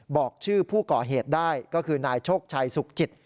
บอกชื่อผู้ก่อเหตุได้ก็คือนายโชคชัยสุขจิต